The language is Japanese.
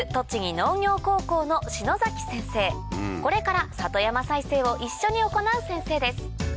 これから里山再生を一緒に行う先生です